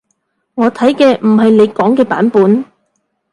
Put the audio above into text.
我睇嘅唔係你講嘅版本